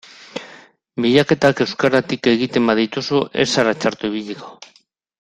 Bilaketak euskaratik egiten badituzu ez zara txarto ibiliko.